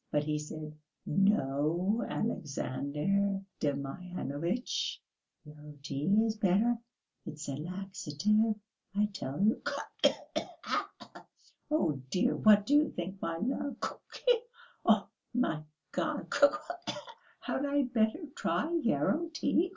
But he said, 'No, Alexandr Demyanovitch, yarrow tea is better, it's a laxative, I tell you' ... Khee khee. Oh, dear! What do you think, my love? Khee! Oh, my God! Khee khee! Had I better try yarrow tea?...